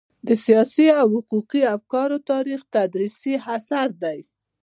د سياسي او حقوقي افکارو تاریخ تدريسي اثر دی.